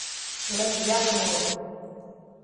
Lajeado Novo